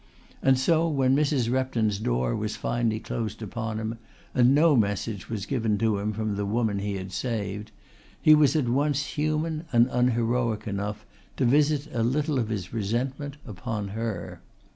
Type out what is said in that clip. And so when Mrs. Repton's door was finally closed upon him, and no message was given to him from the woman he had saved, he was at once human and unheroic enough to visit a little of his resentment upon her.